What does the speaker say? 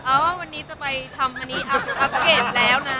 ว่าวันนี้จะไปทำอันนี้อัพเกตแล้วนะ